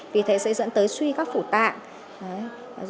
vì thế sẽ dẫn tới suy các phủ tạng